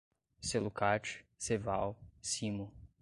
Celucat, Ceval, Cimo